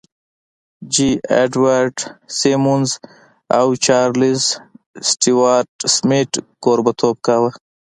جې اډوارډ سيمونز او چارليس سټيوارټ سميت کوربهتوب کاوه.